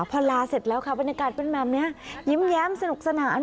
พอลาเสร็จแล้วค่ะบรรยากาศเป็นแบบนี้ยิ้มแย้มสนุกสนาน